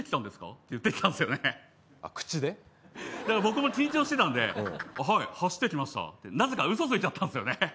だから僕も緊張してたんではい走ってきましたってなぜかウソついちゃったんですよね。